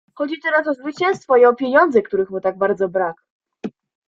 "Chodzi teraz o zwycięstwo i o pieniądze, których mu tak bardzo brak."